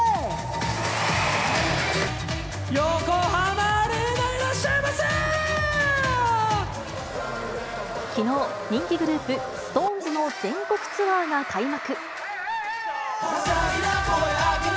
横浜アリーナ、きのう、人気グループ、ＳｉｘＴＯＮＥＳの全国ツアーが開幕。